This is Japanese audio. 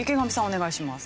お願いします。